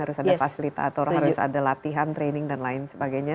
harus ada fasilitator harus ada latihan training dan lain sebagainya